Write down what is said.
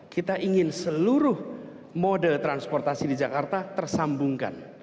kita ingin seluruh mode transportasi di jakarta tersambungkan